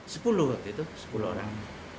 sepuluh waktu itu sepuluh orang